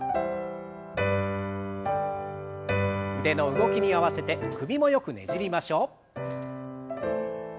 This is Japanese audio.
腕の動きに合わせて首もよくねじりましょう。